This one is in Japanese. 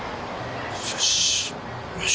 よしよし。